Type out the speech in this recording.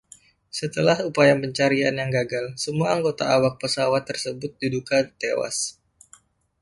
Setelah upaya pencarian yang gagal, semua anggota awak pesawat tersebut diduga tewas.